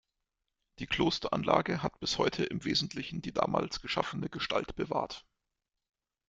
Die Klosteranlage hat bis heute im Wesentlichen die damals geschaffene Gestalt bewahrt.